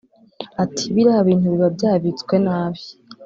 Ati “Biriya bintu biba byabitswe nabi